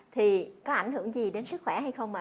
thì có ảnh hưởng gì đến sức khỏe hay không ạ